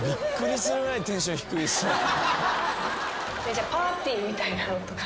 じゃあパーティーみたいなのとか。